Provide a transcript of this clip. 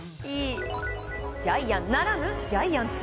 ジャイアンならぬジャイアンツ。